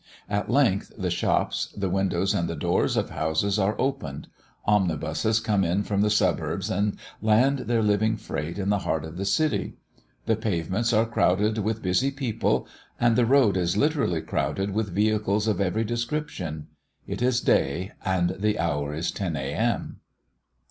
At length the shops, the windows and doors of houses are opened; omnibuses come in from the suburbs and land their living freight in the heart of the city; the pavements are crowded with busy people, and the road is literally crowded with vehicles of every description. It is day and the hour is 10 A.M.